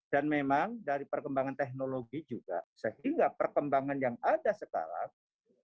dan memang dari perkembangan teknologi juga sehingga perkembangan yang ada sekarang